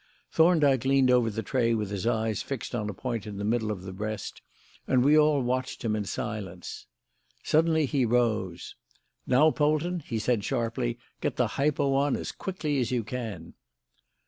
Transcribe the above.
Thorndyke leaned over the tray with his eyes fixed on a point in the middle of the breast and we all watched him in silence. Suddenly he rose. "Now, Polton," he said sharply; "get the hypo on as quickly as you can."